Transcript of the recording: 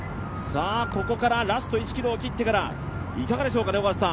ここからラスト１ｋｍを切ってから、いかがでしょうか。